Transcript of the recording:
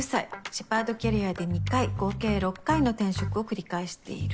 シェパードキャリアで２回合計６回の転職を繰り返している。